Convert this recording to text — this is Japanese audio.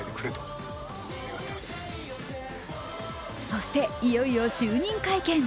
そして、いよいよ就任会見。